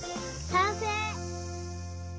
さんせい！